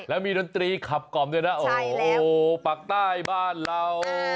แล้วมีดนตรีขับกล่อมด้วยนะโอ้โหปากใต้บ้านเรา